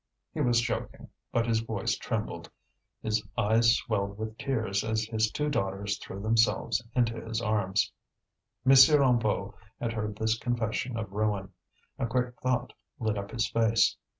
He was joking, but his voice trembled. His eyes swelled with tears as his two daughters threw themselves into his arms. M. Hennebeau had heard this confession of ruin. A quick thought lit up his face.